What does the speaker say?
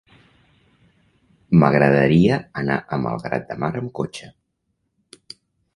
M'agradaria anar a Malgrat de Mar amb cotxe.